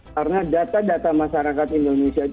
karena data data masyarakat indonesia